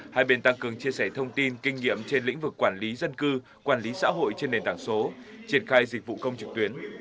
hai bên tăng cường chia sẻ thông tin kinh nghiệm trên lĩnh vực quản lý dân cư quản lý xã hội trên nền tảng số triển khai dịch vụ công trực tuyến